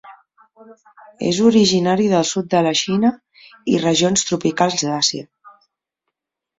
És originari del sud de la Xina i regions tropicals d'Àsia.